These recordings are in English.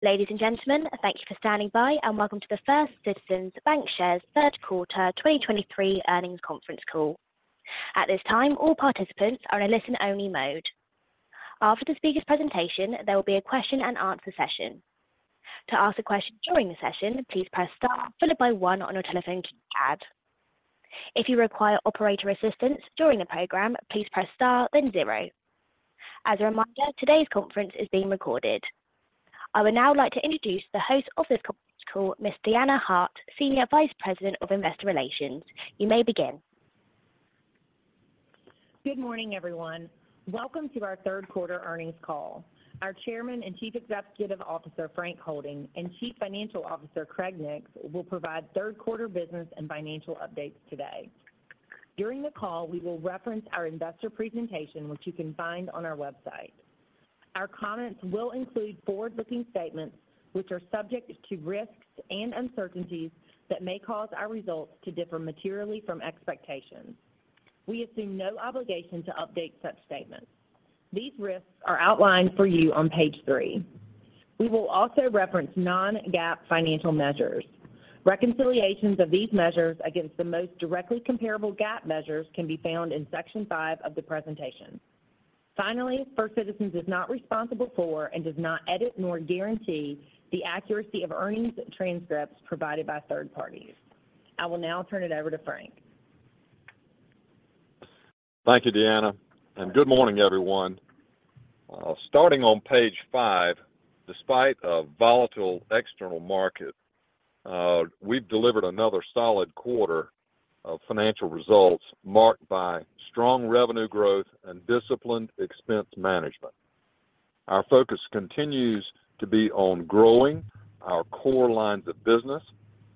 Ladies and gentlemen, thank you for standing by, and welcome to the First Citizens BancShares Third Quarter 2023 Earnings Conference Call. At this time, all participants are in a listen-only mode. After the speaker's presentation, there will be a question-and-answer session. To ask a question during the session, please press Star followed by one on your telephone keypad. If you require operator assistance during the program, please press Star, then zero. As a reminder, today's conference is being recorded. I would now like to introduce the host of this conference call, Miss Deanna Hart, Senior Vice President of Investor Relations. You may begin. Good morning, everyone. Welcome to our third quarter earnings call. Our Chairman and Chief Executive Officer, Frank Holding, and Chief Financial Officer, Craig Nix, will provide third quarter business and financial updates today. During the call, we will reference our investor presentation, which you can find on our website. Our comments will include forward-looking statements, which are subject to risks and uncertainties that may cause our results to differ materially from expectations. We assume no obligation to update such statements. These risks are outlined for you on page three. We will also reference non-GAAP financial measures. Reconciliations of these measures against the most directly comparable GAAP measures can be found in section five of the presentation. Finally, First Citizens is not responsible for and does not edit nor guarantee the accuracy of earnings transcripts provided by third parties. I will now turn it over to Frank. Thank you, Deanna, and good morning, everyone. Starting on page five, despite a volatile external market, we've delivered another solid quarter of financial results marked by strong revenue growth and disciplined expense management. Our focus continues to be on growing our core lines of business,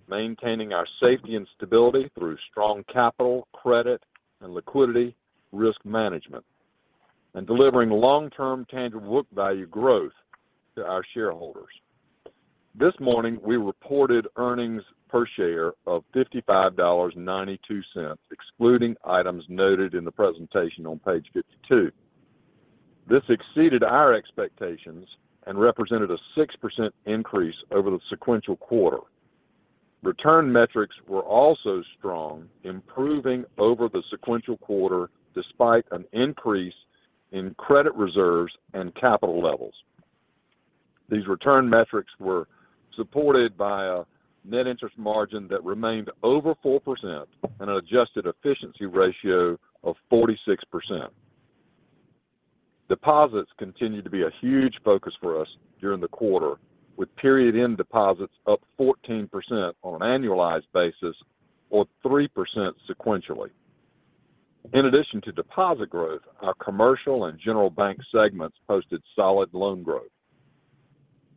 maintaining our safety and stability through strong capital, credit, and liquidity risk management, and delivering long-term tangible book value growth to our shareholders. This morning, we reported earnings per share of $55.92, excluding items noted in the presentation on page 52. This exceeded our expectations and represented a 6% increase over the sequential quarter. Return metrics were also strong, improving over the sequential quarter despite an increase in credit reserves and capital levels. These return metrics were supported by a net interest margin that remained over 4% and an adjusted efficiency ratio of 46%. Deposits continued to be a huge focus for us during the quarter, with period-end deposits up 14% on an annualized basis or 3% sequentially. In addition to deposit growth, our commercial and general bank segments posted solid loan growth.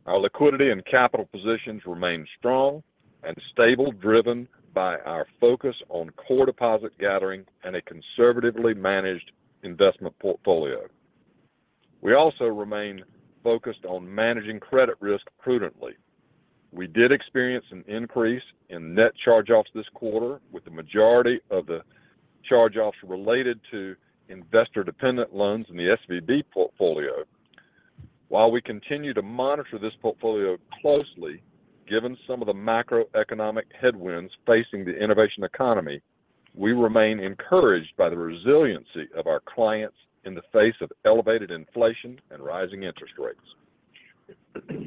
Our liquidity and capital positions remain strong and stable, driven by our focus on core deposit gathering and a conservatively managed investment portfolio. We also remain focused on managing credit risk prudently. We did experience an increase in net charge-offs this quarter, with the majority of the charge-offs related to investor-dependent loans in the SVB portfolio. While we continue to monitor this portfolio closely, given some of the macroeconomic headwinds facing the innovation economy, we remain encouraged by the resiliency of our clients in the face of elevated inflation and rising interest rates.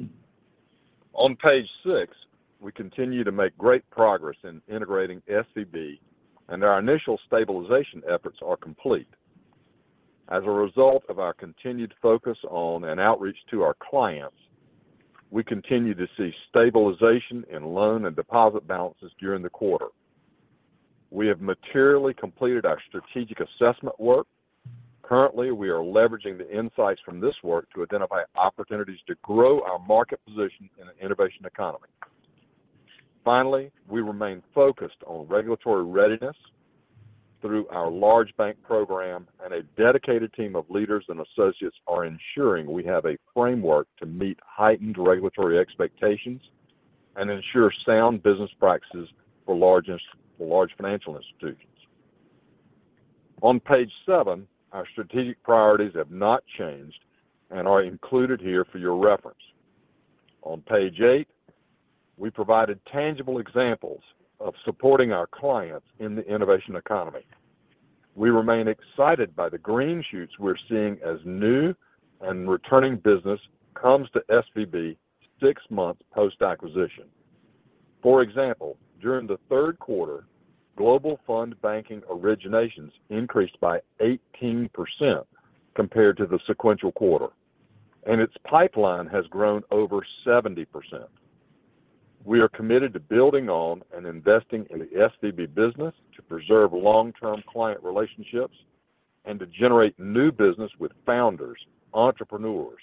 On page six, we continue to make great progress in integrating SVB, and our initial stabilization efforts are complete. As a result of our continued focus on and outreach to our clients, we continue to see stabilization in loan and deposit balances during the quarter. We have materially completed our strategic assessment work. Currently, we are leveraging the insights from this work to identify opportunities to grow our market position in an innovation economy. Finally, we remain focused on regulatory readiness through our large bank program, and a dedicated team of leaders and associates are ensuring we have a framework to meet heightened regulatory expectations and ensure sound business practices for large financial institutions. On page seven, our strategic priorities have not changed and are included here for your reference. On page eight, we provided tangible examples of supporting our clients in the innovation economy. We remain excited by the green shoots we're seeing as new and returning business comes to SVB six months post-acquisition. For example, during the third quarter, Global Fund Banking originations increased by 18% compared to the sequential quarter, and its pipeline has grown over 70%. We are committed to building on and investing in the SVB business to preserve long-term client relationships and to generate new business with founders, entrepreneurs,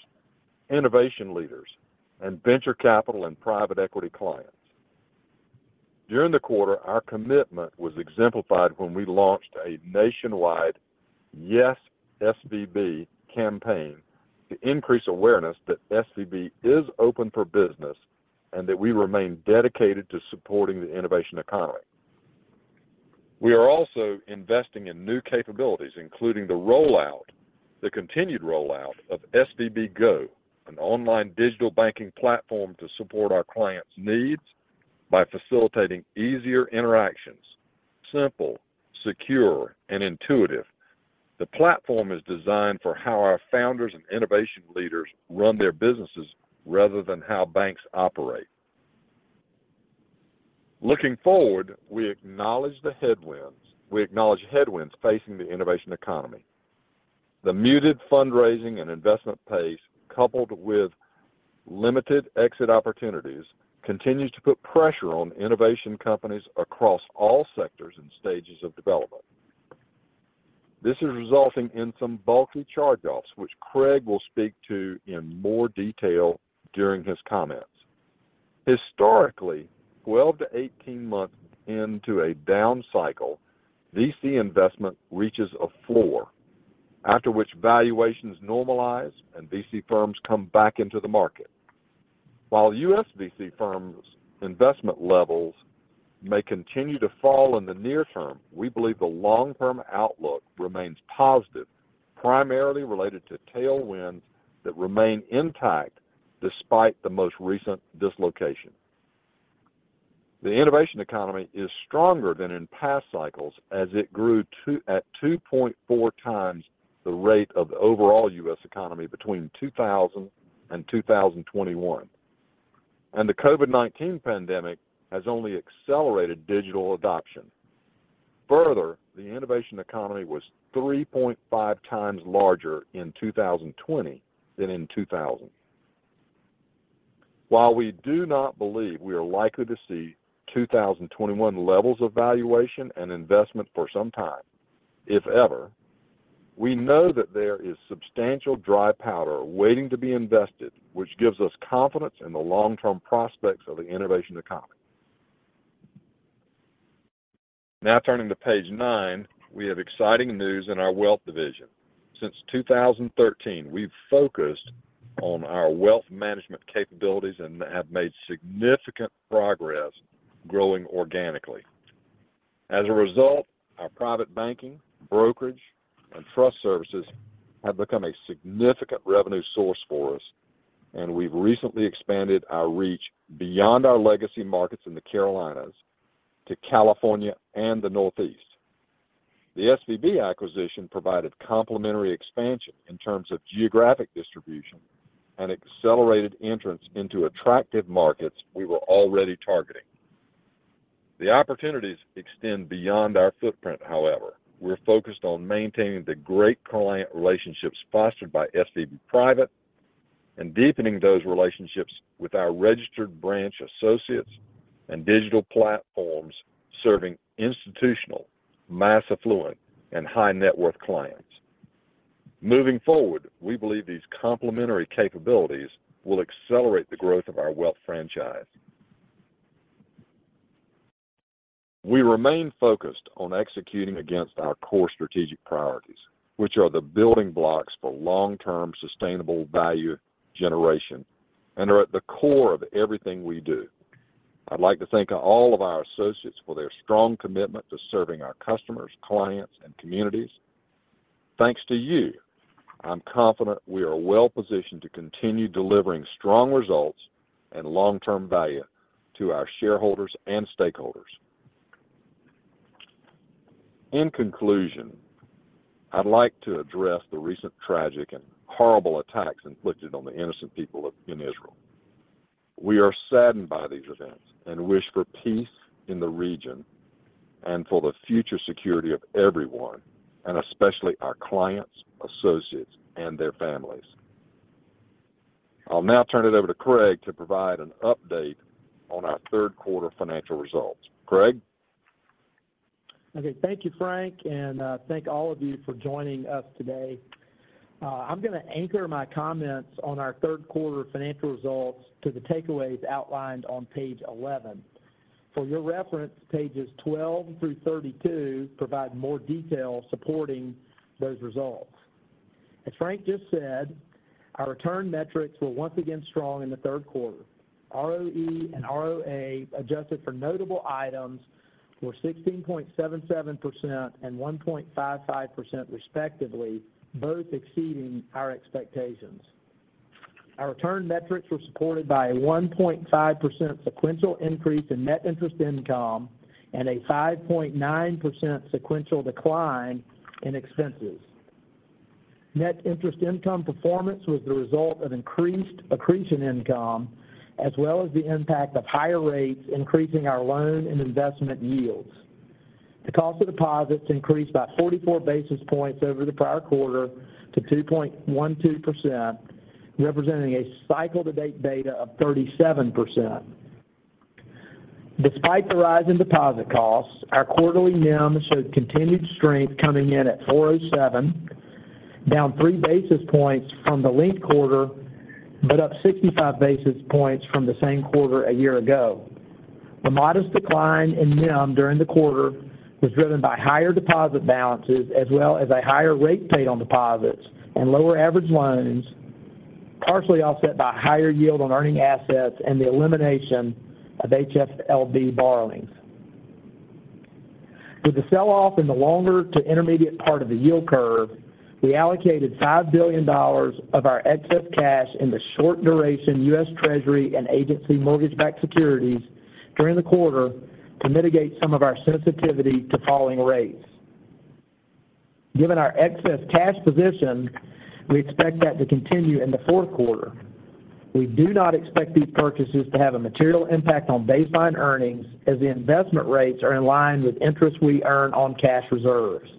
innovation leaders, and venture capital and private equity clients. During the quarter, our commitment was exemplified when we launched a nationwide YesSVB campaign to increase awareness that SVB is open for business and that we remain dedicated to supporting the innovation economy... We are also investing in new capabilities, including the rollout, the continued rollout of SVB Go, an online digital banking platform to support our clients' needs by facilitating easier interactions. Simple, secure, and intuitive, the platform is designed for how our founders and innovation leaders run their businesses rather than how banks operate. Looking forward, we acknowledge the headwinds - we acknowledge headwinds facing the innovation economy. The muted fundraising and investment pace, coupled with limited exit opportunities, continues to put pressure on innovation companies across all sectors and stages of development. This is resulting in some bulky charge-offs, which Craig will speak to in more detail during his comments. Historically, 12-18 months into a down cycle, VC investment reaches a floor, after which valuations normalize and VC firms come back into the market. While U.S. VC firms' investment levels may continue to fall in the near term, we believe the long-term outlook remains positive, primarily related to tailwinds that remain intact despite the most recent dislocation. The innovation economy is stronger than in past cycles, as it grew at 2.4x the rate of the overall U.S. economy between 2000 and 2021. The COVID-19 pandemic has only accelerated digital adoption. Further, the innovation economy was 3.5x larger in 2020 than in 2000. While we do not believe we are likely to see 2021 levels of valuation and investment for some time, if ever, we know that there is substantial dry powder waiting to be invested, which gives us confidence in the long-term prospects of the innovation economy. Now, turning to page nine, we have exciting news in our wealth division. Since 2013, we've focused on our wealth management capabilities and have made significant progress growing organically. As a result, our private banking, brokerage, and trust services have become a significant revenue source for us, and we've recently expanded our reach beyond our legacy markets in the Carolinas to California and the Northeast. The SVB acquisition provided complementary expansion in terms of geographic distribution and accelerated entrance into attractive markets we were already targeting. The opportunities extend beyond our footprint, however. We're focused on maintaining the great client relationships fostered by SVB Private and deepening those relationships with our registered branch associates and digital platforms serving institutional, mass affluent, and high-net-worth clients. Moving forward, we believe these complementary capabilities will accelerate the growth of our wealth franchise. We remain focused on executing against our core strategic priorities, which are the building blocks for long-term, sustainable value generation and are at the core of everything we do. I'd like to thank all of our associates for their strong commitment to serving our customers, clients, and communities. Thanks to you, I'm confident we are well positioned to continue delivering strong results and long-term value to our shareholders and stakeholders. In conclusion, I'd like to address the recent tragic and horrible attacks inflicted on the innocent people in Israel. We are saddened by these events and wish for peace in the region and for the future security of everyone, and especially our clients, associates, and their families. I'll now turn it over to Craig to provide an update on our third quarter financial results. Craig? Okay, thank you, Frank, and thank all of you for joining us today. I'm going to anchor my comments on our third quarter financial results to the takeaways outlined on page 11. For your reference, pages 12 through 32 provide more detail supporting those results. As Frank just said, our return metrics were once again strong in the third quarter. ROE and ROA, adjusted for notable items, were 16.77% and 1.55% respectively, both exceeding our expectations. Our return metrics were supported by a 1.5% sequential increase in net interest income and a 5.9% sequential decline in expenses. Net interest income performance was the result of increased accretion income, as well as the impact of higher rates increasing our loan and investment yields. The cost of deposits increased by 44 basis points over the prior quarter to 2.12%, representing a cycle-to-date beta of 37%. Despite the rise in deposit costs, our quarterly NIM showed continued strength, coming in at 4.07%, down 3 basis points from the linked quarter, but up 65 basis points from the same quarter a year ago. The modest decline in NIM during the quarter was driven by higher deposit balances, as well as a higher rate paid on deposits and lower average loans, partially offset by higher yield on earning assets and the elimination of HFLB borrowings. With the sell-off in the longer to intermediate part of the yield curve, we allocated $5 billion of our excess cash in the short duration US Treasury and agency mortgage-backed securities during the quarter to mitigate some of our sensitivity to falling rates. Given our excess cash position, we expect that to continue in the fourth quarter. We do not expect these purchases to have a material impact on baseline earnings, as the investment rates are in line with interest we earn on cash reserves.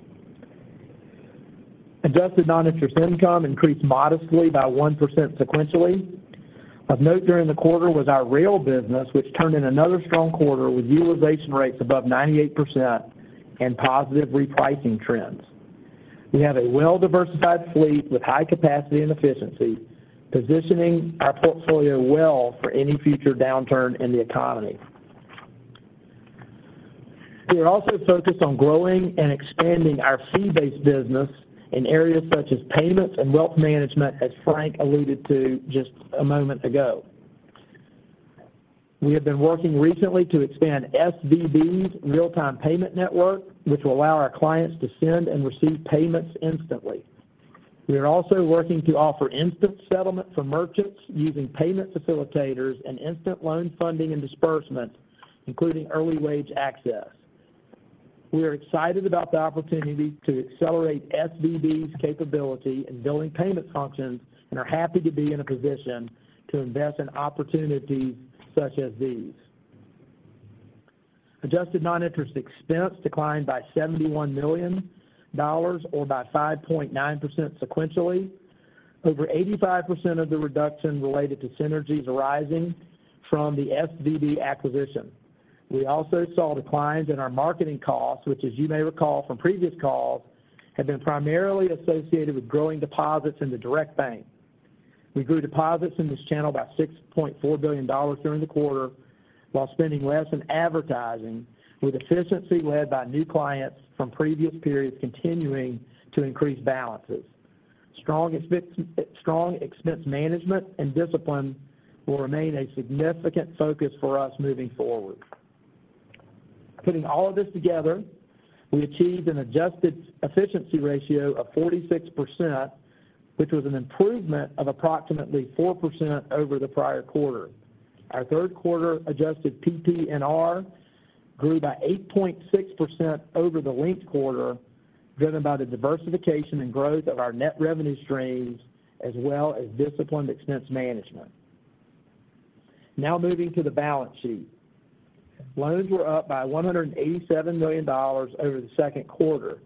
Adjusted non-interest income increased modestly by 1% sequentially. Of note during the quarter was our rail business, which turned in another strong quarter, with utilization rates above 98% and positive repricing trends. We have a well-diversified fleet with high capacity and efficiency, positioning our portfolio well for any future downturn in the economy. We are also focused on growing and expanding our fee-based business in areas such as payments and wealth management, as Frank alluded to just a moment ago. We have been working recently to expand SVB's real-time payment network, which will allow our clients to send and receive payments instantly. We are also working to offer instant settlement for merchants using payment facilitators and instant loan funding and disbursement, including early wage access. We are excited about the opportunity to accelerate SVB's capability in billing payment functions and are happy to be in a position to invest in opportunities such as these. Adjusted non-interest expense declined by $71 million or by 5.9% sequentially. Over 85% of the reduction related to synergies arising from the SVB acquisition. We also saw declines in our marketing costs, which, as you may recall from previous calls, have been primarily associated with growing deposits in the direct bank. We grew deposits in this channel by $6.4 billion during the quarter, while spending less in advertising, with efficiency led by new clients from previous periods continuing to increase balances. Strong expense management and discipline will remain a significant focus for us moving forward. Putting all of this together, we achieved an adjusted efficiency ratio of 46%, which was an improvement of approximately 4% over the prior quarter. Our third quarter adjusted PPNR grew by 8.6% over the linked quarter, driven by the diversification and growth of our net revenue streams, as well as disciplined expense management. Now moving to the balance sheet. Loans were up by $187 million over the second quarter.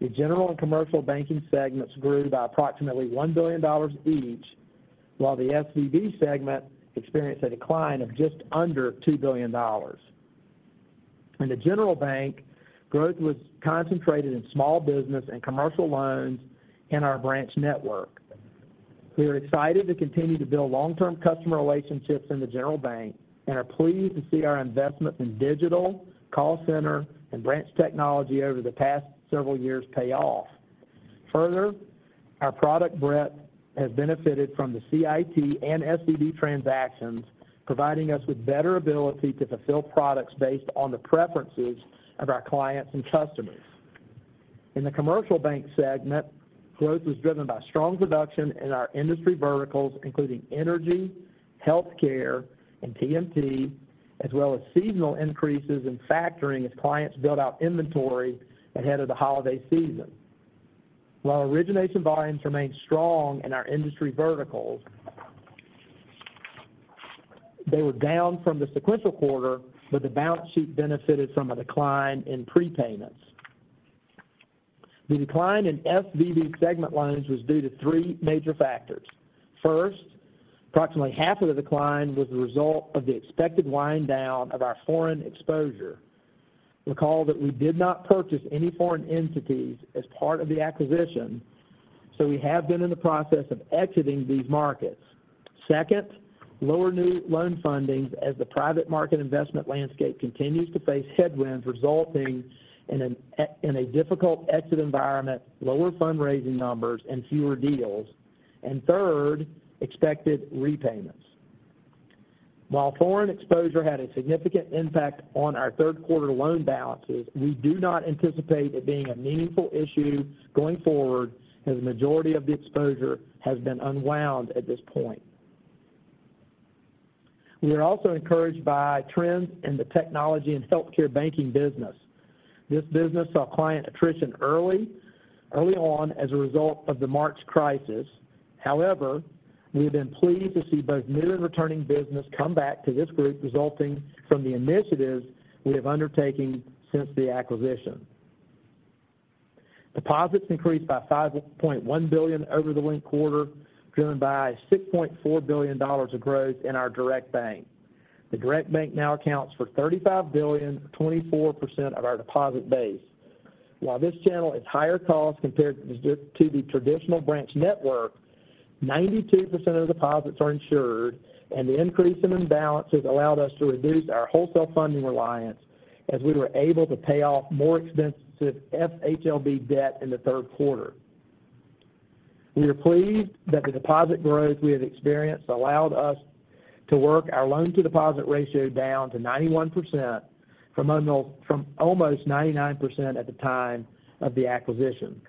The general and commercial banking segments grew by approximately $1 billion each, while the SVB segment experienced a decline of just under $2 billion. In the general bank, growth was concentrated in small business and commercial loans in our branch network. We are excited to continue to build long-term customer relationships in the general bank and are pleased to see our investments in digital, call center, and branch technology over the past several years pay off. Further, our product breadth has benefited from the CIT and SVB transactions, providing us with better ability to fulfill products based on the preferences of our clients and customers. In the commercial bank segment, growth was driven by strong production in our industry verticals, including energy, healthcare, and TMT, as well as seasonal increases in factoring as clients built out inventory ahead of the holiday season. While origination volumes remained strong in our industry verticals, they were down from the sequential quarter, but the balance sheet benefited from a decline in prepayments. The decline in SVB segment loans was due to three major factors. First, approximately half of the decline was the result of the expected wind down of our foreign exposure. Recall that we did not purchase any foreign entities as part of the acquisition, so we have been in the process of exiting these markets. Second, lower new loan fundings as the private market investment landscape continues to face headwinds, resulting in an, in a difficult exit environment, lower fundraising numbers and fewer deals. And third, expected repayments. While foreign exposure had a significant impact on our third quarter loan balances, we do not anticipate it being a meaningful issue going forward, as the majority of the exposure has been unwound at this point. We are also encouraged by trends in the technology and healthcare banking business. This business saw client attrition early, early on as a result of the March crisis. However, we have been pleased to see both new and returning business come back to this group, resulting from the initiatives we have undertaking since the acquisition. Deposits increased by $5.1 billion over the linked quarter, driven by $6.4 billion of growth in our direct bank. The direct bank now accounts for $35 billion, 24% of our deposit base. While this channel is higher cost compared to the traditional branch network, 92% of the deposits are insured, and the increase in imbalances allowed us to reduce our wholesale funding reliance as we were able to pay off more expensive FHLB debt in the third quarter. We are pleased that the deposit growth we have experienced allowed us to work our loan-to-deposit ratio down to 91% from almost 99% at the time of the acquisition.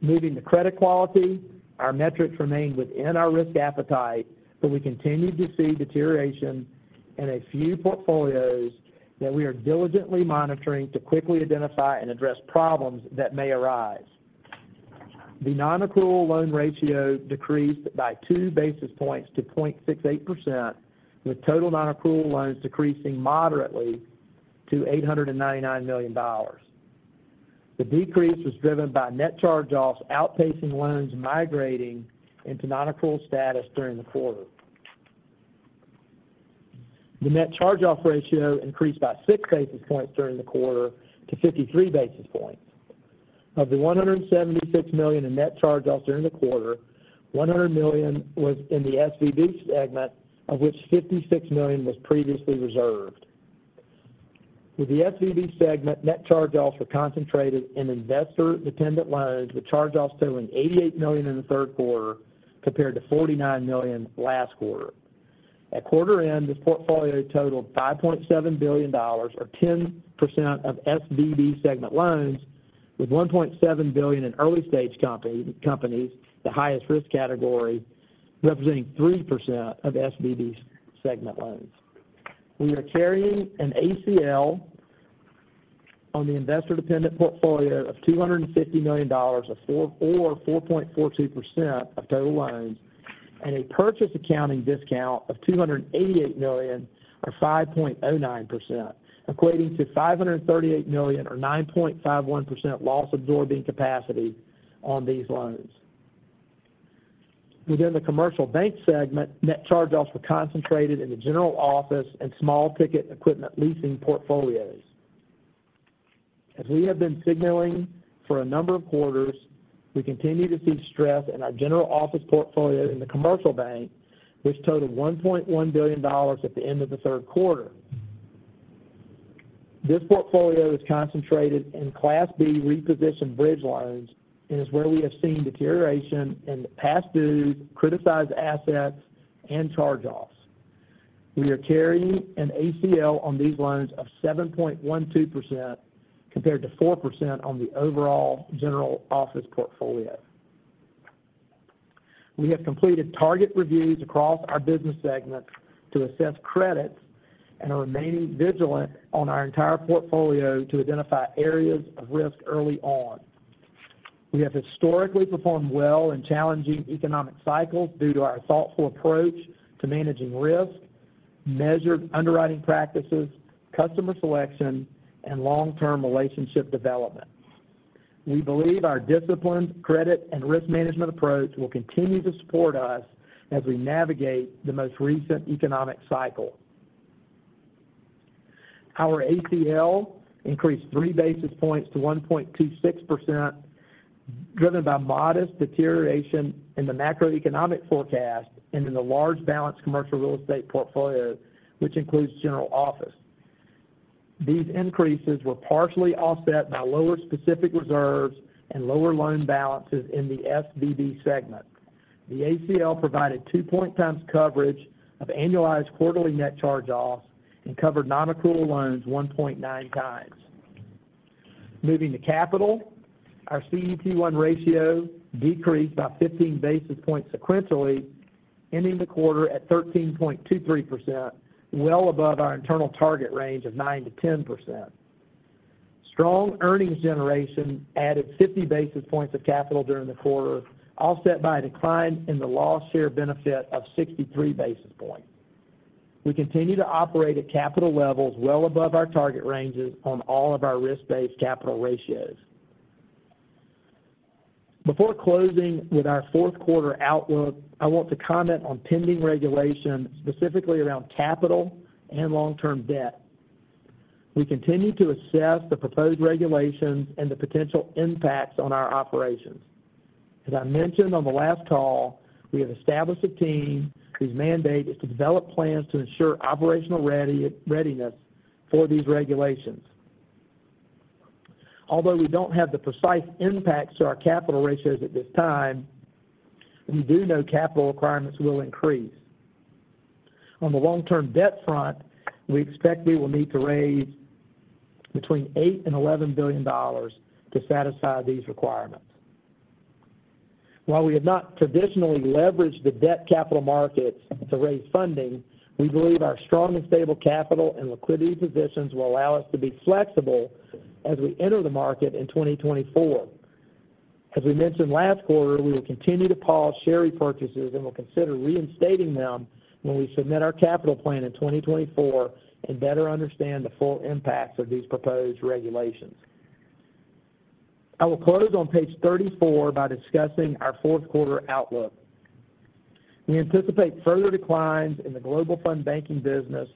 Moving to credit quality, our metrics remained within our risk appetite, but we continued to see deterioration in a few portfolios that we are diligently monitoring to quickly identify and address problems that may arise. The nonaccrual loan ratio decreased by 2 basis points to 0.68%, with total nonaccrual loans decreasing moderately to $899 million. The decrease was driven by net charge-offs, outpacing loans migrating into nonaccrual status during the quarter. The net charge-off ratio increased by 6 basis points during the quarter to 53 basis points. Of the $176 million in net charge-offs during the quarter, $100 million was in the SVB segment, of which $56 million was previously reserved. With the SVB segment, net charge-offs were concentrated in investor-dependent loans, with charge-offs totaling $88 million in the third quarter, compared to $49 million last quarter. At quarter end, this portfolio totaled $5.7 billion, or 10% of SVB segment loans, with $1.7 billion in early stage companies, the highest risk category, representing 3% of SVB segment loans. We are carrying an ACL on the investor-dependent portfolio of $250 million, or 4.42% of total loans, and a purchase accounting discount of $288 million, or 5.09%, equating to $538 million or 9.51% loss-absorbing capacity on these loans. Within the commercial bank segment, net charge-offs were concentrated in the general office and small ticket equipment leasing portfolios. As we have been signaling for a number of quarters, we continue to see stress in our general office portfolio in the commercial bank, which totaled $1.1 billion at the end of the third quarter. This portfolio is concentrated in Class B repositioned bridge loans and is where we have seen deterioration in past due, criticized assets, and charge-offs. We are carrying an ACL on these loans of 7.12%, compared to 4% on the overall general office portfolio. We have completed target reviews across our business segments to assess credits and are remaining vigilant on our entire portfolio to identify areas of risk early on. We have historically performed well in challenging economic cycles due to our thoughtful approach to managing risk, measured underwriting practices, customer selection, and long-term relationship development. We believe our disciplined credit and risk management approach will continue to support us as we navigate the most recent economic cycle. Our ACL increased 3 basis points to 1.26%, driven by modest deterioration in the macroeconomic forecast and in the large balance commercial real estate portfolio, which includes general office. These increases were partially offset by lower specific reserves and lower loan balances in the SVB segment. The ACL provided 2.0x coverage of annualized quarterly net charge-offs and covered nonaccrual loans 1.9x. Moving to capital, our CET1 ratio decreased by 15 basis points sequentially, ending the quarter at 13.23%, well above our internal target range of 9%-10%. Strong earnings generation added 50 basis points of capital during the quarter, offset by a decline in the loss share benefit of 63 basis points. We continue to operate at capital levels well above our target ranges on all of our risk-based capital ratios. Before closing with our fourth quarter outlook, I want to comment on pending regulation, specifically around capital and long-term debt. We continue to assess the proposed regulations and the potential impacts on our operations. As I mentioned on the last call, we have established a team whose mandate is to develop plans to ensure operational readiness for these regulations. Although we don't have the precise impacts to our capital ratios at this time, we do know capital requirements will increase. On the long-term debt front, we expect we will need to raise between $8 billion and $11 billion to satisfy these requirements. While we have not traditionally leveraged the debt capital markets to raise funding, we believe our strong and stable capital and liquidity positions will allow us to be flexible as we enter the market in 2024. As we mentioned last quarter, we will continue to pause share repurchases and will consider reinstating them when we submit our capital plan in 2024 and better understand the full impacts of these proposed regulations. I will close on page 34 by discussing our fourth quarter outlook. We anticipate further declines in the global fund banking business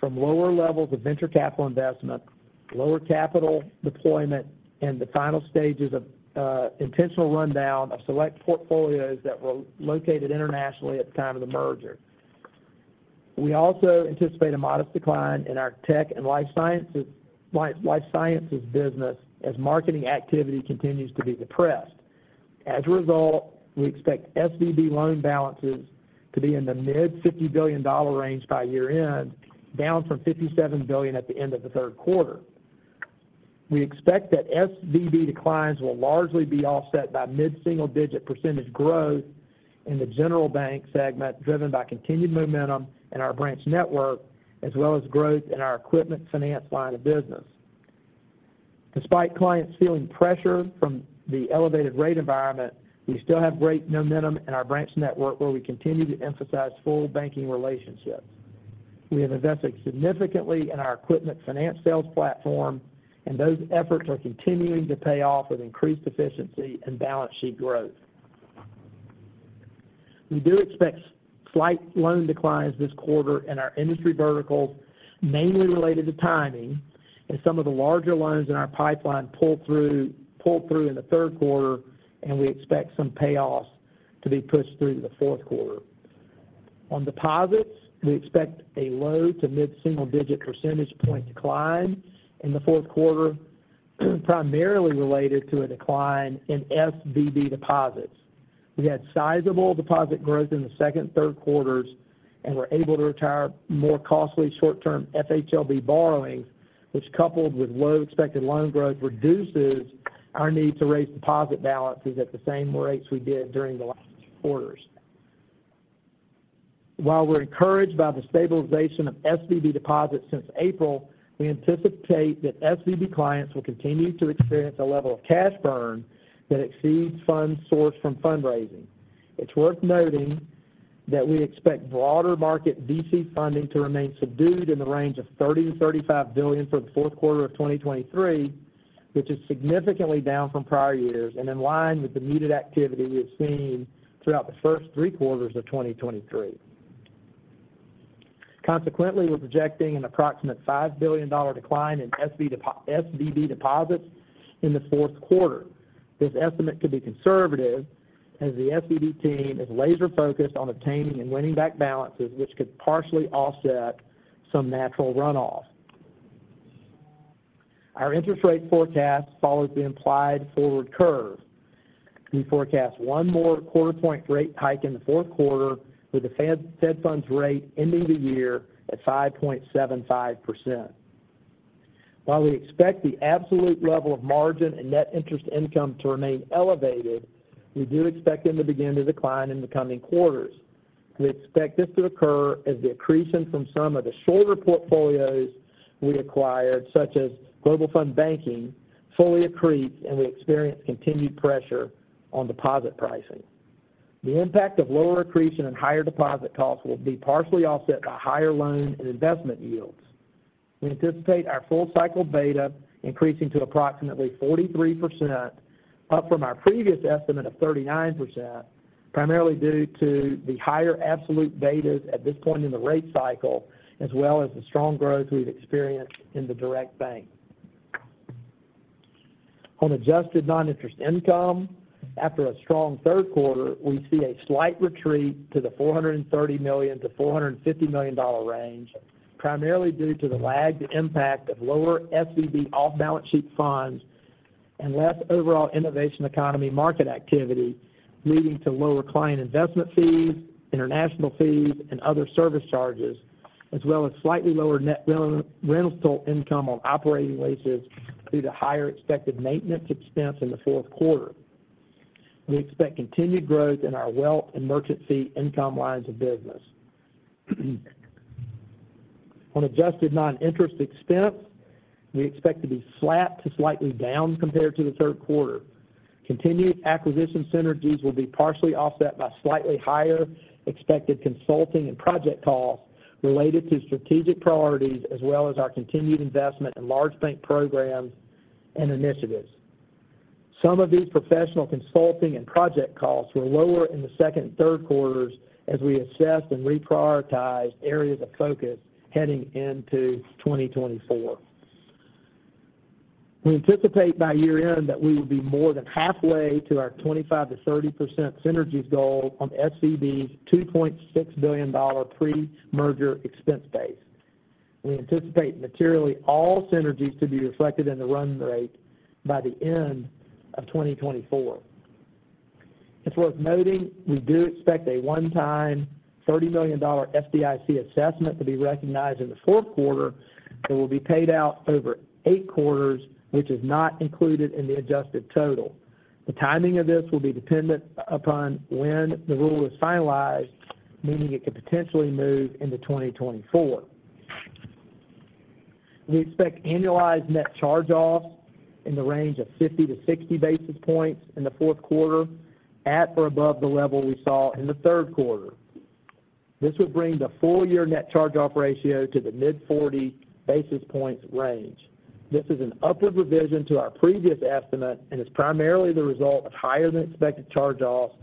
from lower levels of venture capital investment.... Lower capital deployment and the final stages of intentional rundown of select portfolios that were located internationally at the time of the merger. We also anticipate a modest decline in our tech and life sciences business as marketing activity continues to be depressed. As a result, we expect SVB loan balances to be in the mid-$50 billion range by year-end, down from $57 billion at the end of the third quarter. We expect that SVB declines will largely be offset by mid-single-digit % growth in the general bank segment, driven by continued momentum in our branch network, as well as growth in our equipment finance line of business. Despite clients feeling pressure from the elevated rate environment, we still have great momentum in our branch network, where we continue to emphasize full banking relationships. We have invested significantly in our equipment finance sales platform, and those efforts are continuing to pay off with increased efficiency and balance sheet growth. We do expect slight loan declines this quarter in our industry verticals, mainly related to timing, as some of the larger loans in our pipeline pull through in the third quarter, and we expect some payoffs to be pushed through to the fourth quarter. On deposits, we expect a low- to mid-single-digit percentage point decline in the fourth quarter, primarily related to a decline in SVB deposits. We had sizable deposit growth in the second and third quarters and were able to retire more costly short-term FHLB borrowings, which, coupled with low expected loan growth, reduces our need to raise deposit balances at the same rates we did during the last quarters. While we're encouraged by the stabilization of SVB deposits since April, we anticipate that SVB clients will continue to experience a level of cash burn that exceeds funds sourced from fundraising. It's worth noting that we expect broader market VC funding to remain subdued in the range of $30 billion-$35 billion for the fourth quarter of 2023, which is significantly down from prior years and in line with the muted activity we've seen throughout the first three quarters of 2023. Consequently, we're projecting an approximate $5 billion decline in SVB deposits in the fourth quarter. This estimate could be conservative, as the SVB team is laser-focused on obtaining and winning back balances, which could partially offset some natural runoff. Our interest rate forecast follows the implied forward curve. We forecast one more quarter-point rate hike in the fourth quarter, with the fed funds rate ending the year at 5.75%. While we expect the absolute level of margin and net interest income to remain elevated, we do expect them to begin to decline in the coming quarters. We expect this to occur as the accretion from some of the shorter portfolios we acquired, such as Global Fund Banking, fully accretes, and we experience continued pressure on deposit pricing. The impact of lower accretion and higher deposit costs will be partially offset by higher loan and investment yields. We anticipate our full cycle beta increasing to approximately 43%, up from our previous estimate of 39%, primarily due to the higher absolute betas at this point in the rate cycle, as well as the strong growth we've experienced in the direct bank. On adjusted non-interest income, after a strong third quarter, we see a slight retreat to the $430 million-$450 million range, primarily due to the lagged impact of lower SVB off-balance sheet funds and less overall innovation economy market activity, leading to lower client investment fees, international fees, and other service charges, as well as slightly lower net rental income on operating leases due to higher expected maintenance expense in the fourth quarter. We expect continued growth in our wealth and merchant fee income lines of business. On adjusted non-interest expense, we expect to be flat to slightly down compared to the third quarter. Continued acquisition synergies will be partially offset by slightly higher expected consulting and project costs related to strategic priorities, as well as our continued investment in large bank programs and initiatives. Some of these professional consulting and project costs were lower in the second and third quarters as we assessed and reprioritized areas of focus heading into 2024. We anticipate by year-end that we will be more than halfway to our 25%-30% synergies goal on SVB's $2.6 billion pre-merger expense base. We anticipate materially all synergies to be reflected in the run rate by the end of 2024. It's worth noting, we do expect a one-time $30 million FDIC assessment to be recognized in the fourth quarter that will be paid out over eight quarters, which is not included in the adjusted total. The timing of this will be dependent upon when the rule is finalized, meaning it could potentially move into 2024. We expect annualized net charge-offs in the range of 50-60 basis points in the fourth quarter, at or above the level we saw in the third quarter. This would bring the full-year net charge-off ratio to the mid-40 basis points range. This is an upward revision to our previous estimate and is primarily the result of higher-than-expected charge-offs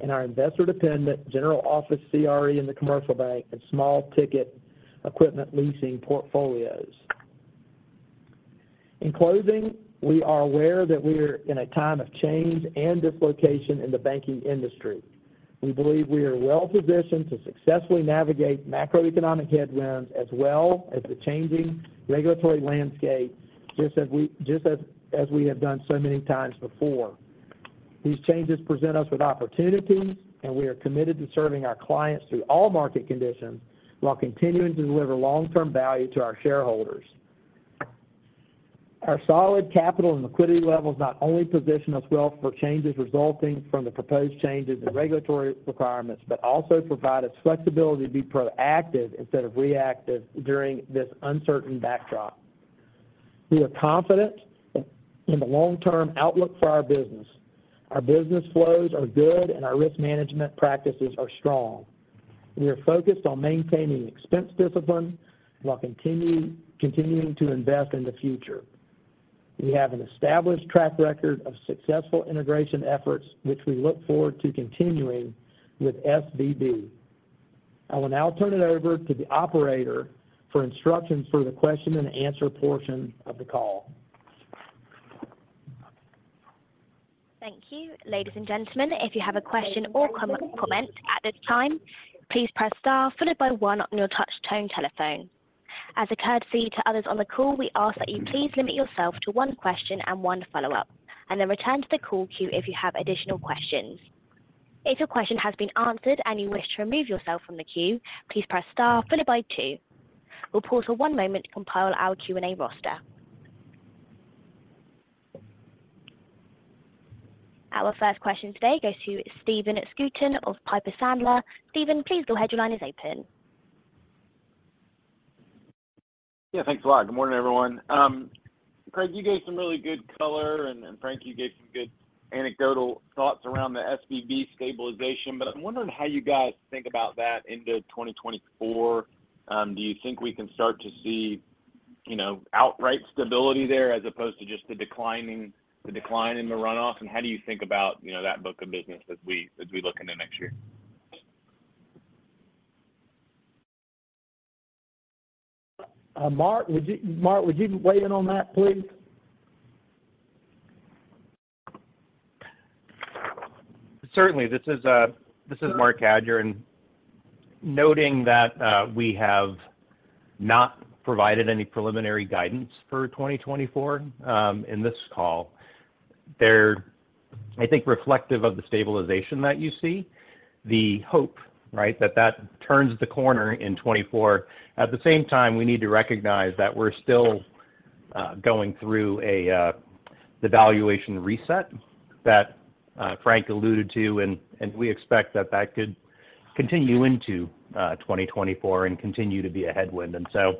and our investor-dependent general office CRE in the commercial bank and small ticket equipment leasing portfolios. In closing, we are aware that we are in a time of change and dislocation in the banking industry. We believe we are well-positioned to successfully navigate macroeconomic headwinds, as well as the changing regulatory landscape, just as we have done so many times before. These changes present us with opportunities, and we are committed to serving our clients through all market conditions, while continuing to deliver long-term value to our shareholders. Our solid capital and liquidity levels not only position us well for changes resulting from the proposed changes in regulatory requirements, but also provide us flexibility to be proactive instead of reactive during this uncertain backdrop. We are confident in the long-term outlook for our business. Our business flows are good, and our risk management practices are strong. We are focused on maintaining expense discipline while continuing to invest in the future. We have an established track record of successful integration efforts, which we look forward to continuing with SVB. I will now turn it over to the operator for instructions for the question and answer portion of the call. Thank you. Ladies and gentlemen, if you have a question or comment at this time, please press star followed by one on your touch tone telephone. As a courtesy to others on the call, we ask that you please limit yourself to one question and one follow-up, and then return to the call queue if you have additional questions. If your question has been answered and you wish to remove yourself from the queue, please press star followed by two. We'll pause for one moment to compile our Q&A roster. Our first question today goes to Stephen Scouten of Piper Sandler. Steven, please go ahead. Your line is open. Yeah, thanks a lot. Good morning, everyone. Craig, you gave some really good color, and Frank, you gave some good anecdotal thoughts around the SVB stabilization. But I'm wondering how you guys think about that into 2024. Do you think we can start to see, you know, outright stability there as opposed to just the decline in the runoff? And how do you think about, you know, that book of business as we look into next year? Marc, would you weigh in on that, please? Certainly. This is, this is Marc Cadieux, and noting that, we have not provided any preliminary guidance for 2024, in this call. They're, I think, reflective of the stabilization that you see, the hope, right, that that turns the corner in 2024. At the same time, we need to recognize that we're still, going through the valuation reset that, Frank alluded to, and, and we expect that that could continue into, 2024 and continue to be a headwind. And so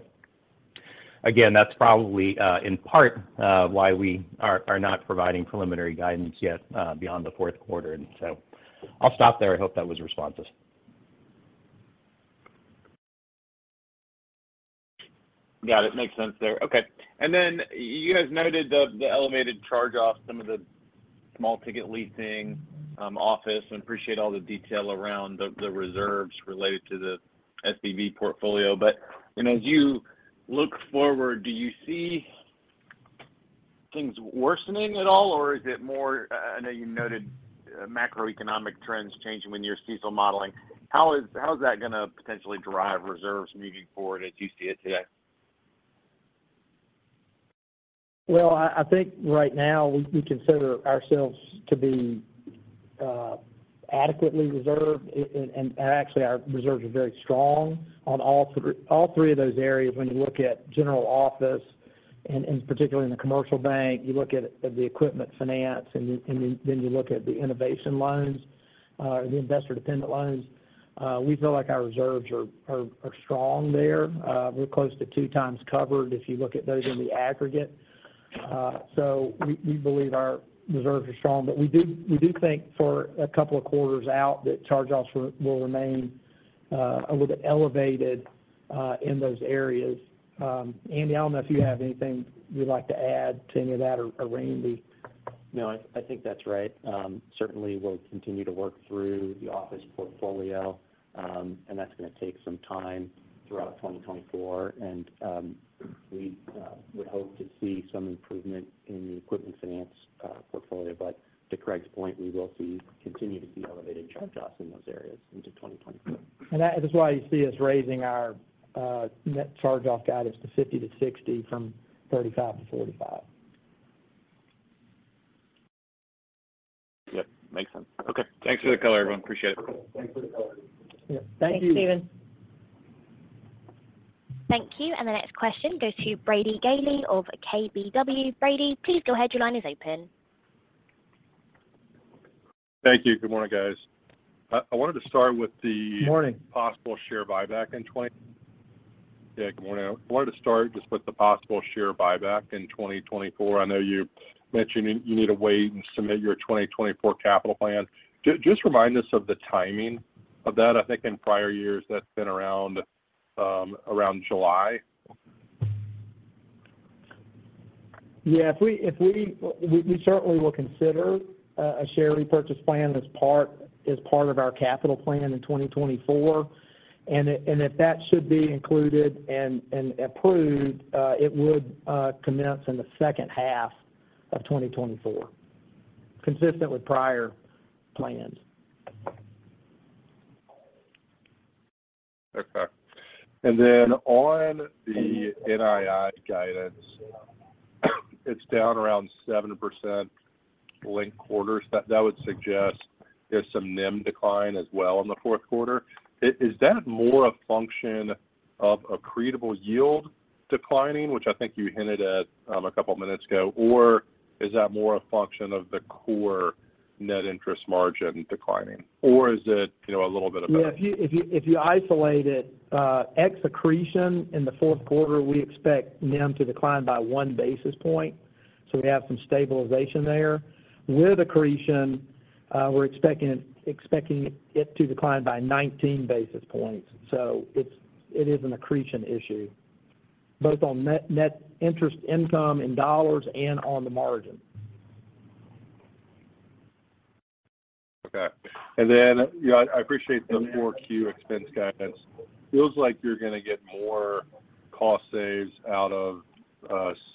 again, that's probably, in part, why we are not providing preliminary guidance yet, beyond the fourth quarter. And so I'll stop there. I hope that was responsive. Got it. Makes sense there. Okay. And then you guys noted the elevated charge-offs, some of the small ticket leasing, office. We appreciate all the detail around the reserves related to the SVB portfolio. But, and as you look forward, do you see things worsening at all, or is it more... I know you noted macroeconomic trends changing when you're CECL modeling. How is that going to potentially drive reserves moving forward as you see it today? Well, I think right now we consider ourselves to be adequately reserved, and actually, our reserves are very strong on all three of those areas. When you look at general office and particularly in the commercial bank, you look at the equipment finance, then you look at the innovation loans, the investor-dependent loans, we feel like our reserves are strong there. We're close to 2x covered if you look at those in the aggregate. So we believe our reserves are strong, but we do think for a couple of quarters out, that charge-offs will remain a little elevated in those areas. Andy, I don't know if you have anything you'd like to add to any of that or Randy? No, I think that's right. Certainly we'll continue to work through the office portfolio, and that's going to take some time throughout 2024. We would hope to see some improvement in the equipment finance portfolio. But to Craig's point, we will see, continue to see elevated charge-offs in those areas into 2024. That is why you see us raising our net charge-off guidance to 50-60 from 35-45. Yep, makes sense. Okay. Thanks for the color, everyone. Appreciate it. Thanks for the color. Yeah. Thank you. Thanks, Steven. Thank you, and the next question goes to Brady Gailey of KBW. Brady, please go ahead. Your line is open. Thank you. Good morning, guys. I wanted to start with the- Good morning... possible share buyback in 2024. Yeah, good morning. I wanted to start just with the possible share buyback in 2024. I know you mentioned you need to wait and submit your 2024 capital plan. Just remind us of the timing of that. I think in prior years, that's been around July.... Yeah, if we certainly will consider a share repurchase plan as part of our capital plan in 2024. And if that should be included and approved, it would commence in the second half of 2024, consistent with prior plans. Okay. And then on the NII guidance, it's down around 7% linked quarters. That would suggest there's some NIM decline as well in the fourth quarter. Is that more a function of accretable yield declining, which I think you hinted at, a couple of minutes ago, or is that more a function of the core net interest margin declining, or is it, you know, a little bit of both? Yeah, if you isolate it ex accretion in the fourth quarter, we expect NIM to decline by one basis point, so we have some stabilization there. With accretion, we're expecting it to decline by 19 basis points. So it is an accretion issue, both on net interest income in dollars and on the margin. Okay. And then, you know, I appreciate the Q4 expense guidance. Feels like you're going to get more cost saves out of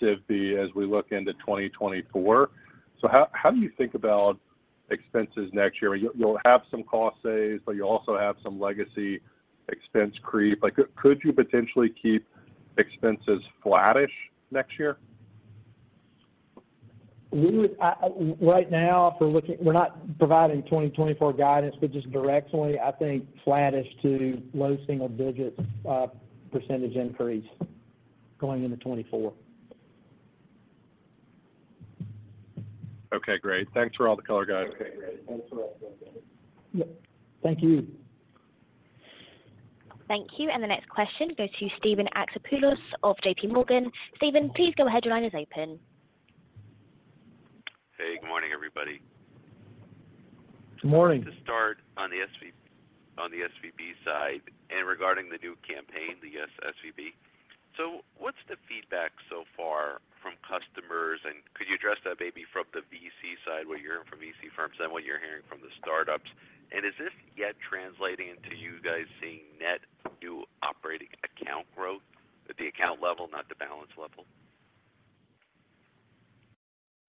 SVB as we look into 2024. So how do you think about expenses next year? You'll have some cost saves, but you also have some legacy expense creep. Like, could you potentially keep expenses flattish next year? Right now, if we're looking, we're not providing 2024 guidance, but just directionally, I think flattish to low single digits percentage increase going into 2024. Okay, great. Thanks for all the color, guys. Yeah. Thank you. Thank you. And the next question goes to Steven Alexopoulos of JPMorgan. Steven, please go ahead. Your line is open. Hey, good morning, everybody. Good morning. To start on the SV- on the SVB side and regarding the new campaign, the YesSVB. So what's the feedback so far from customers? And could you address that maybe from the VC side, what you're hearing from VC firms and what you're hearing from the startups? And is this yet translating into you guys seeing net new operating account growth at the account level, not the balance level?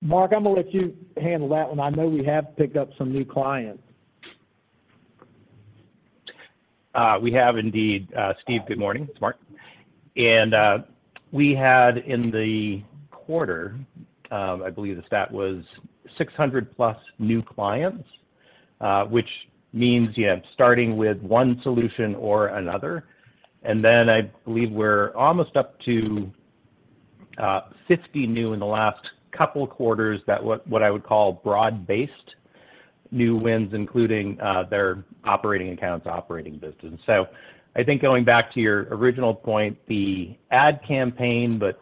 Marc, I'm going to let you handle that one. I know we have picked up some new clients. We have indeed. Steve, good morning. It's Marc. We had in the quarter, I believe the stat was 600+ new clients, which means, yeah, starting with one solution or another. Then I believe we're almost up to 50 new in the last couple of quarters, that's what I would call broad-based new wins, including their operating accounts, operating business. So I think going back to your original point, the ad campaign, but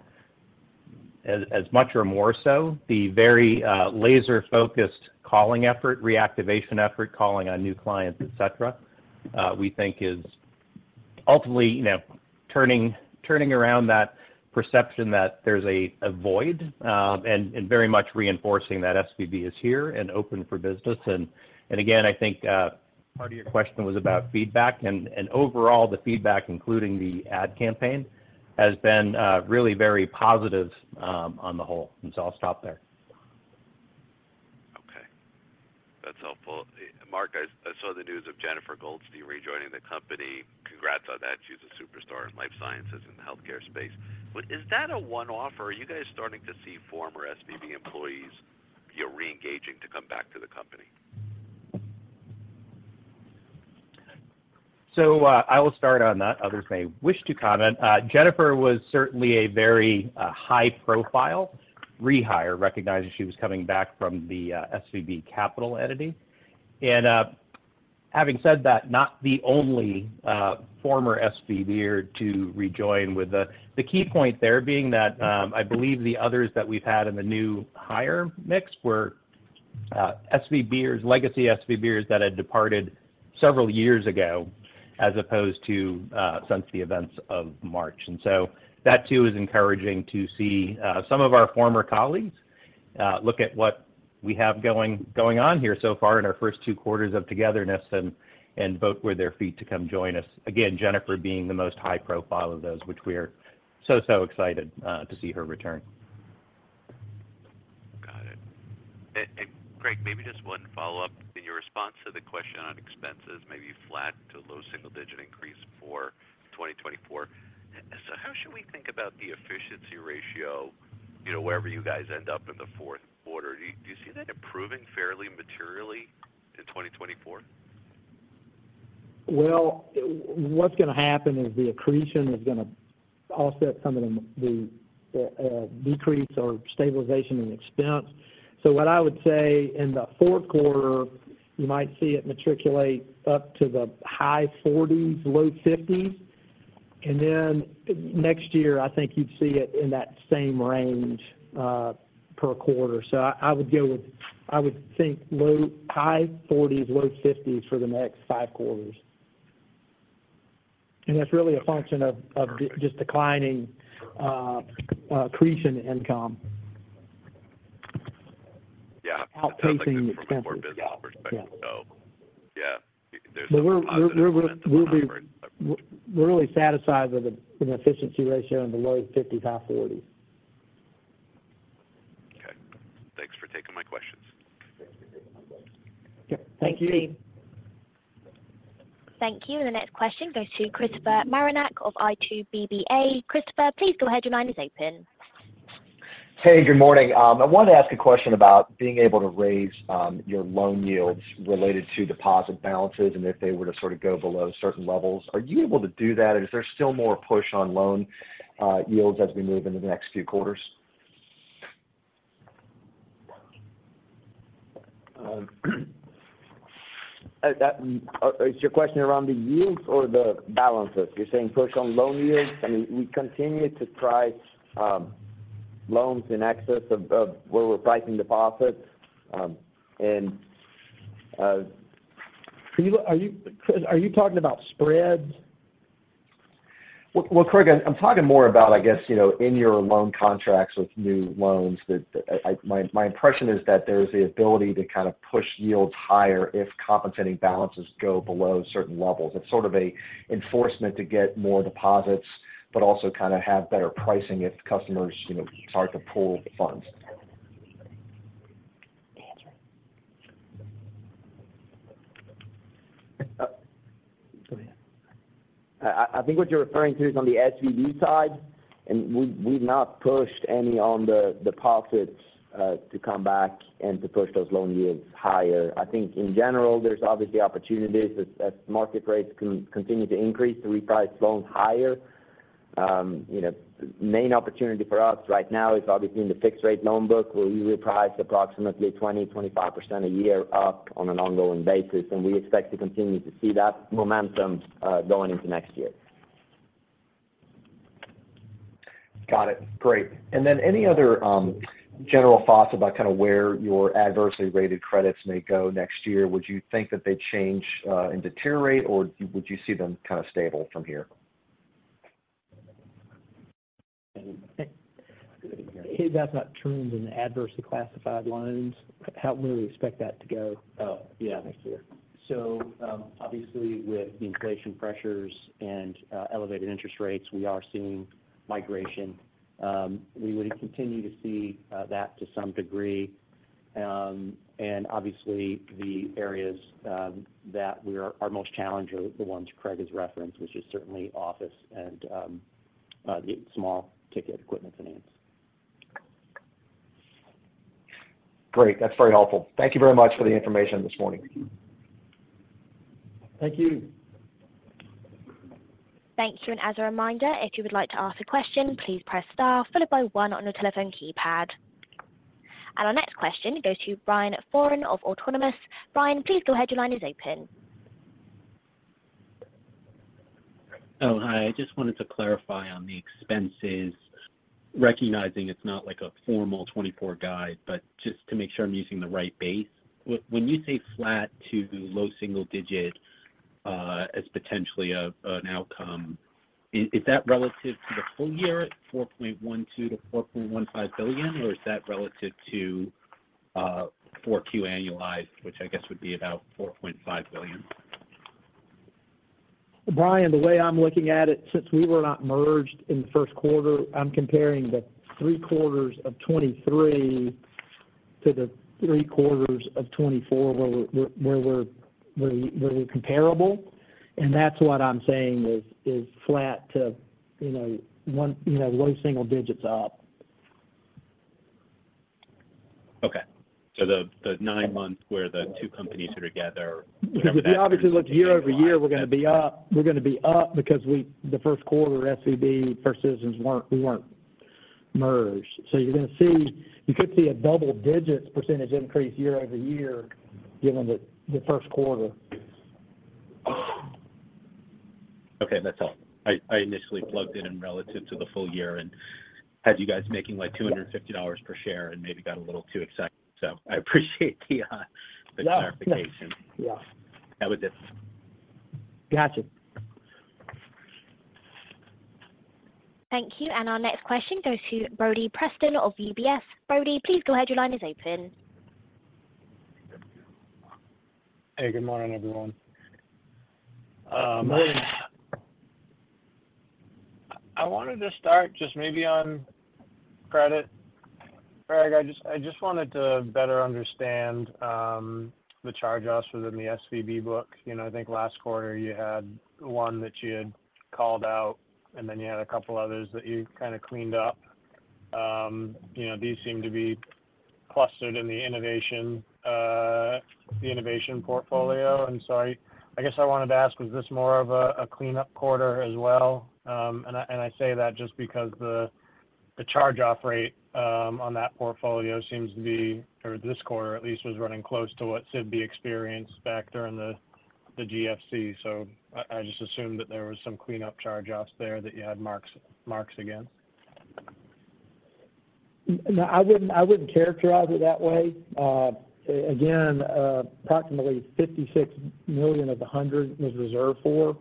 as much or more so, the very laser-focused calling effort, reactivation effort, calling on new clients, et cetera, we think is ultimately, you know, turning around that perception that there's a void, and very much reinforcing that SVB is here and open for business. Again, I think part of your question was about feedback, and overall, the feedback, including the ad campaign, has been really very positive on the whole. So I'll stop there. Okay. That's helpful. Marc, I saw the news of Jennifer Goldstein rejoining the company. Congrats on that. She's a superstar in life sciences in the healthcare space. But is that a one-off, or are you guys starting to see former SVB employees, you know, reengaging to come back to the company? So, I will start on that. Others may wish to comment. Jennifer was certainly a very high-profile rehire, recognizing she was coming back from the SVB Capital entity. And, having said that, not the only former SVbier to rejoin with the key point there being that, I believe the others that we've had in the new hire mix were SVBiers, legacy SVBiers, that had departed several years ago, as opposed to since the events of March. And so that too is encouraging to see some of our former colleagues look at what we have going on here so far in our first two quarters of togetherness and vote with their feet to come join us. Again, Jennifer being the most high profile of those, which we are so excited to see her return. Got it. And Craig, maybe just one follow-up. In your response to the question on expenses, maybe flat to low single digit increase for 2024. So how should we think about the efficiency ratio, you know, wherever you guys end up in the fourth quarter? Do you see that improving fairly materially in 2024? Well, what's going to happen is the accretion is going to offset some of the decrease or stabilization in expense. What I would say in the fourth quarter, you might see it matriculate up to the high 40s, low 50s, and next year, I think you'd see it in that same range per quarter. I would think high 40s, low 50s for the next five quarters... and that's really a function of just declining accretion income. Yeah. Outpacing the expenses. From a more business perspective. So, yeah, there's- We're really satisfied with the efficiency ratio in the low 50s, high 40s. Okay. Thanks for taking my questions. Yep, thank you. Thank you. The next question goes to Christopher Marinac of I2BBA. Christopher, please go ahead. Your line is open. Hey, good morning. I wanted to ask a question about being able to raise your loan yields related to deposit balances, and if they were to sort of go below certain levels. Are you able to do that, or is there still more push on loan yields as we move into the next few quarters? That is your question around the yields or the balances? You're saying push on loan yields? I mean, we continue to price loans in excess of where we're pricing deposits, and are you, Chris, talking about spreads? Well, well, Craig, I'm talking more about, I guess, you know, in your loan contracts with new loans, that my impression is that there's the ability to kind of push yields higher if compensating balances go below certain levels. It's sort of a enforcement to get more deposits, but also kind of have better pricing if customers, you know, start to pull funds. Go ahead. I think what you're referring to is on the SVB side, and we've not pushed any on the deposits to come back and to push those loan yields higher. I think in general, there's obviously opportunities as market rates continue to increase to reprice loans higher. You know, the main opportunity for us right now is obviously in the fixed rate loan book, where we reprice approximately 20% -25% a year up on an ongoing basis, and we expect to continue to see that momentum going into next year. Got it. Great. And then any other general thoughts about kind of where your adversely rated credits may go next year? Would you think that they change and deteriorate, or would you see them kind of stable from here? He's asking about trends in adversely classified loans. How, where do we expect that to go? Oh, yeah next year? So, obviously, with the inflation pressures and elevated interest rates, we are seeing migration. We would continue to see that to some degree. And obviously, the areas that we are most challenged are the ones Craig has referenced, which is certainly office and the small ticket equipment finance. Great. That's very helpful. Thank you very much for the information this morning. Thank you. Thank you. As a reminder, if you would like to ask a question, please press star followed by one on your telephone keypad. Our next question goes to Brian Foran of Autonomous. Brian, please go ahead. Your line is open. Oh, hi. I just wanted to clarify on the expenses, recognizing it's not like a formal 24 guide, but just to make sure I'm using the right base. When you say flat to low single-digit, as potentially an outcome, is that relative to the full year $4.12 billion-$4.15 billion, or is that relative to 4Q annualized, which I guess would be about $4.5 billion? Brian, the way I'm looking at it, since we were not merged in the first quarter, I'm comparing the three quarters of 2023 to the three quarters of 2024, where we're comparable. That's what I'm saying is flat to, you know, 1, you know, low single digits up. Okay. So the nine months where the two companies are together- If you obviously look year-over-year, we're going to be up. We're going to be up because we—the first quarter, SVB versus Citizens weren't, we weren't merged. So you're going to see—you could see a double digits percentage increase year-over-year, given the, the first quarter. Okay, that's all. I initially plugged in relative to the full year and had you guys making, like, $250 per share and maybe got a little too excited. So I appreciate the- Yeah. -the clarification. Yeah. That was it. Gotcha. Thank you. And our next question goes to Brody Preston of UBS. Brody, please go ahead. Your line is open. Hey, good morning, everyone. I wanted to start just maybe on credit. Craig, I just wanted to better understand the charge-offs within the SVB book. You know, I think last quarter you had one that you had called out, and then you had a couple others that you kind of cleaned up. You know, these seem to be clustered in the innovation, the innovation portfolio. And so I guess I wanted to ask, was this more of a cleanup quarter as well? And I say that just because the charge-off rate on that portfolio seems to be, or this quarter at least, was running close to what SVB experienced back during the GFC. So I just assumed that there was some cleanup charge-offs there that you had marks against. No, I wouldn't characterize it that way. Again, approximately $56 million of the $100 million was reserved for.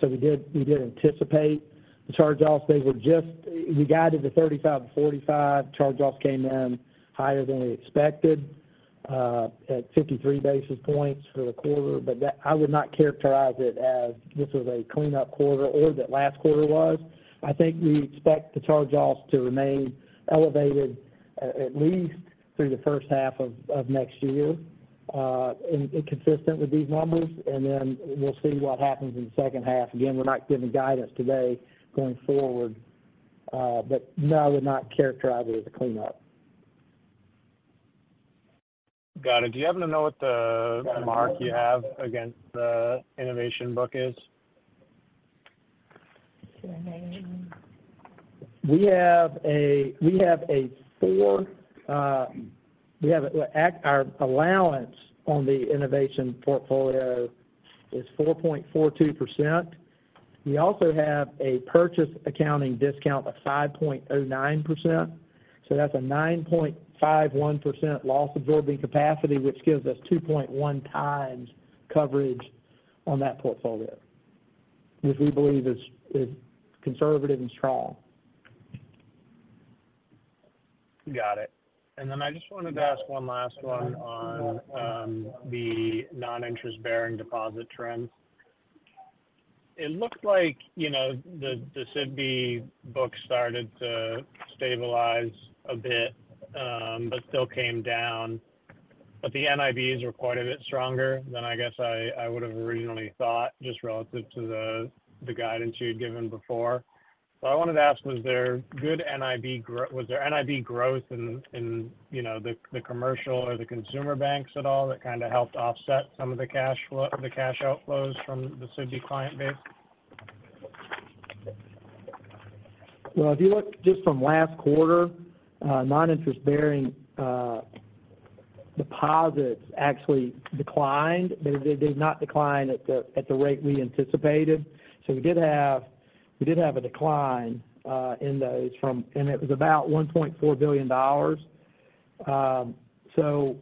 So we did anticipate the charge-offs. They were just, we guided to $35 million-$45 million. Charge-offs came in higher than we expected, at 53 basis points for the quarter. But that, I would not characterize it as this was a cleanup quarter or that last quarter was. I think we expect the charge-offs to remain elevated at least through the first half of next year, and consistent with these numbers, and then we'll see what happens in the second half. Again, we're not giving guidance today going forward, but no, I would not characterize it as a cleanup. Got it. Do you happen to know what the mark you have against the innovation book is? The name. Our allowance on the innovation portfolio is 4.42%. We also have a purchase accounting discount of 5.09%, so that's a 9.51% loss-absorbing capacity, which gives us 2.1x coverage on that portfolio, which we believe is conservative and strong. Got it. And then I just wanted to ask one last one on the non-interest-bearing deposit trends. It looked like, you know, the, the SVB book started to stabilize a bit, but still came down. But the NIBs were quite a bit stronger than I guess I, I would have originally thought, just relative to the, the guidance you'd given before. So I wanted to ask, was there NIB growth in, in, you know, the, the commercial or the consumer banks at all, that kind of helped offset some of the cash flow, the cash outflows from the SVB client base? Well, if you look just from last quarter, non-interest-bearing deposits actually declined, but they did not decline at the rate we anticipated. So we did have a decline in those from. And it was about $1.4 billion. So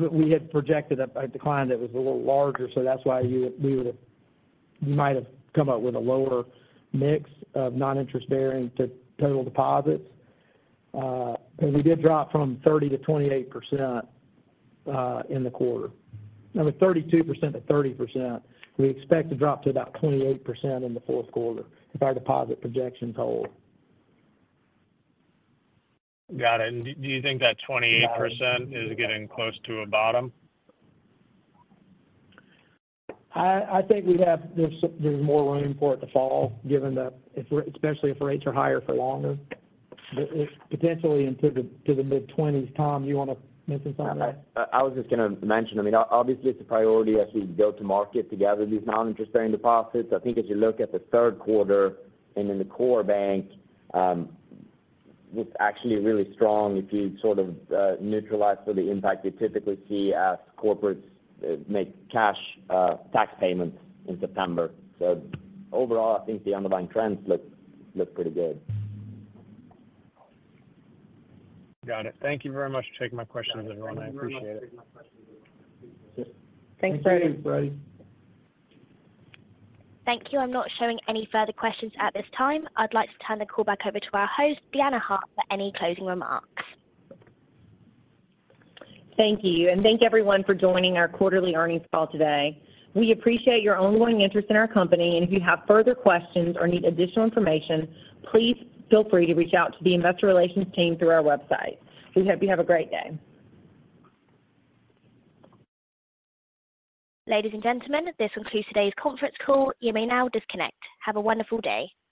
but we had projected a decline that was a little larger, so that's why you would, we would have-- you might have come up with a lower mix of non-interest-bearing to total deposits. But we did drop from 30%-28% in the quarter. Now, the 32%-30%, we expect to drop to about 28% in the fourth quarter, if our deposit projections hold. Got it. And do you think that 28% is getting close to a bottom? I think we have. There's more room for it to fall, given that if we're, especially if rates are higher for longer, but if potentially into the to the mid-twenties. Tom, you want to mention something on that? I was just going to mention, I mean, obviously, it's a priority as we go to market to gather these non-interest-bearing deposits. I think as you look at the third quarter and in the core bank, it's actually really strong if you sort of neutralize for the impact you typically see as corporates make cash tax payments in September. So overall, I think the underlying trends look pretty good. Got it. Thank you very much for taking my questions, everyone. I appreciate it. Thanks, Brody. Thanks, Brody. Thank you. I'm not showing any further questions at this time. I'd like to turn the call back over to our host, Deanna Hart, for any closing remarks. Thank you, and thank everyone for joining our quarterly earnings call today. We appreciate your ongoing interest in our company, and if you have further questions or need additional information, please feel free to reach out to the investor relations team through our website. We hope you have a great day. Ladies and gentlemen, this concludes today's conference call. You may now disconnect. Have a wonderful day.